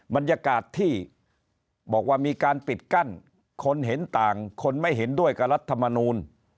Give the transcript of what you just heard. บรรยากาศที่บอกว่ามีการปิดกั้นคนเห็นต่างคนไม่เห็นด้วยกับรัฐมนูล